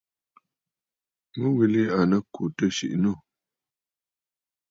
Mu yìli à nɨ kù tɨ̀ sìʼì nû.